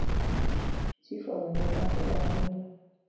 Chif omedo dhako mara ariyo.